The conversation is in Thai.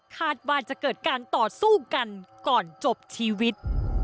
คาดว่าจะเกิดการต่อสู้กันก่อนจบชีวิต